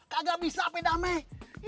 kagak bisa pe damai